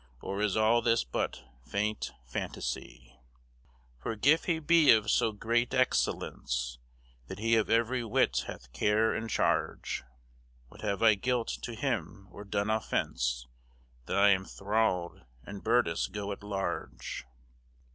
Or is all this but feynit fantasye? For giff he be of so grete excellence That he of every wight hath care and charge, What have I gilt+ to him, or done offense, That I am thral'd, and birdis go at large?